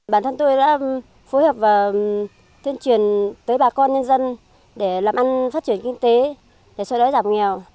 bản thân tôi đã phối hợp và tuyên truyền tới bà con nhân dân để làm ăn phát triển kinh tế để xoa đói giảm nghèo